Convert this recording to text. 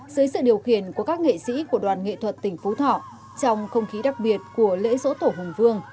dưới sự điều khiển của các nghệ sĩ của đoàn nghệ thuật tỉnh phú thọ trong không khí đặc biệt của lễ dỗ tổ hùng vương